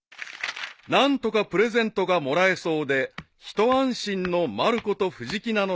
［何とかプレゼントがもらえそうで一安心のまる子と藤木なのであった］